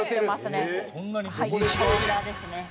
はいこちらですね。